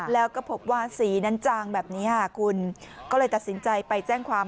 แล้วก็พบว่าสีนั้นจางแบบนี้ค่ะคุณก็เลยตัดสินใจไปแจ้งความ